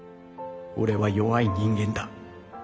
俺は弱い人間だ。